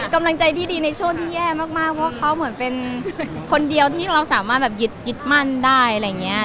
กำลังใจที่ดีในช่วงที่แย่มากเพราะเขาเหมือนเป็นคนเดียวที่เราสามารถแบบยึดมั่นได้อะไรอย่างนี้